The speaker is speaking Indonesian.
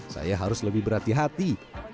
saya harus lebih berhati hati